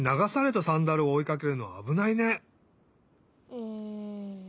うん。